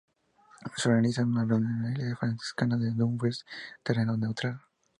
Se organizó una reunión en la iglesia franciscana de Dumfries, terreno neutral.